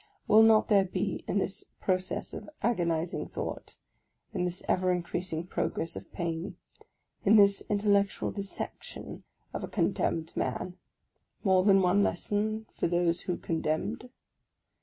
Will not there be in this process of agoniz ing thought, in this ever increasing progress of pain, in this intellectual dissection of a condemned man, more than one lesson for those who condemned?